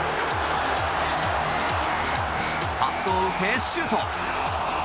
パスを受けシュート！